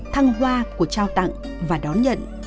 thăng hoa của trao tặng và đón nhận